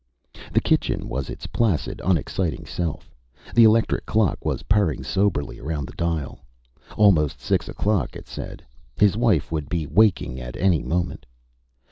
The kitchen was its placid, unexciting self. The electric clock was purring soberly around the dial. Almost six o'clock, it said. His wife would be waking at any moment.